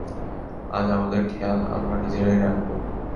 আজ থেকে আমাদের খেয়াল আমরা নিজেরাই রাখবো।